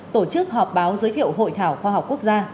tổ chức họp báo giới thiệu hội thảo khoa học quốc gia